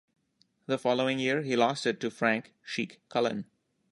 The following year, he lost it to Frank "Chic" Cullen.